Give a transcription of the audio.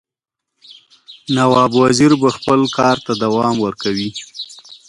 نواب وزیر به خپل کارته دوام ورکوي.